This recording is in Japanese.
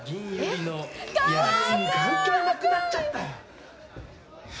関係なくなっちゃったよ！